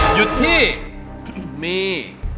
หยุดที่มี